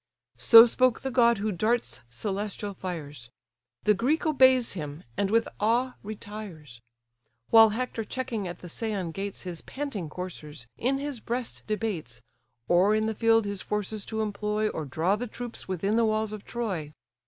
So spoke the god who darts celestial fires; The Greek obeys him, and with awe retires. While Hector, checking at the Scæan gates His panting coursers, in his breast debates, Or in the field his forces to employ, Or draw the troops within the walls of Troy.